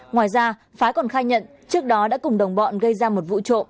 ngoài ra phái còn khai nhận trước đó đã cùng đồng bọn gây ra một vụ trộm